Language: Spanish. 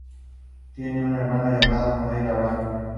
Tiene un hermano llamado Noel Abraham.